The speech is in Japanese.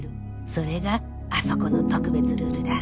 それがあそこの特別ルールだ。